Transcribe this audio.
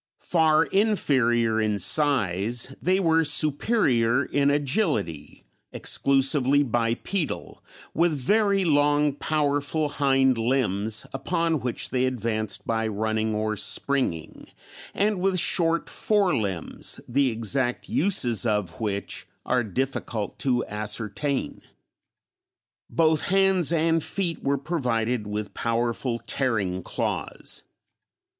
Far inferior in size, they were superior in agility, exclusively bipedal, with very long, powerful hind limbs, upon which they advanced by running or springing, and with short fore limbs, the exact uses of which are difficult to ascertain. Both hands and feet were provided with powerful tearing claws.